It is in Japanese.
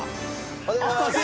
おはようございます。